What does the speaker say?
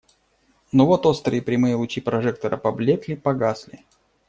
Но вот острые прямые лучи прожектора поблекли, погасли.